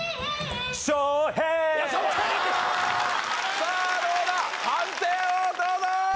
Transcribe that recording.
さあどうだ判定をどうぞ！